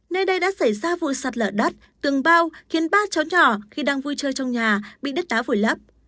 nơi đây đã xảy ra vụ sạt lở đất tường bao khiến ba cháu nhỏ khi đang vui chơi trong nhà bị đất đá vùi lấp